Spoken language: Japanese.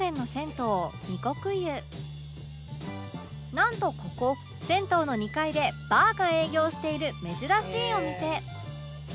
なんとここ銭湯の２階でバーが営業している珍しいお店